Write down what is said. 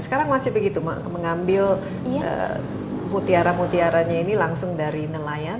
sekarang masih begitu mengambil mutiara mutiaranya ini langsung dari nelayan